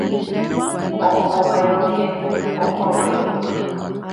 Ohovérõke ohove hikuái.